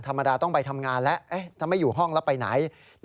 ธรรมดาต้องไปทำงานแล้วถ้าไม่อยู่ห้องแล้วไปไหน